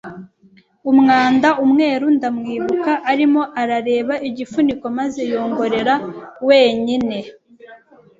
umwanda, umweru. Ndamwibuka arimo arareba igifuniko maze yongorera wenyine